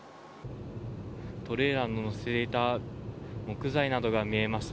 トレーラーが載せていた木材などが見えます。